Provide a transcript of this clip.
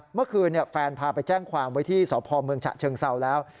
เมื่อคืนแฟนพาไปแจ้งความไว้ที่สพเมืองฉะเชิงเซาแล้ว